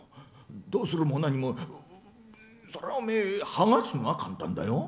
どうするも何も、そりゃおめえはがすのは簡単だよ。